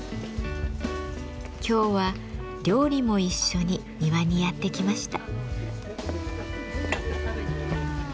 今日は料理も一緒に庭にやって来ました。